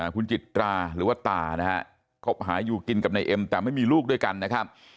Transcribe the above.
คุณจิตราหรือว่าตานะฮะคบหาอยู่กินกับนายเอ็มแต่ไม่มีลูกด้วยกันนะครับ